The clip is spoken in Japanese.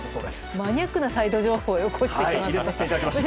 マニアックなサイド情報をよこしてきましたね。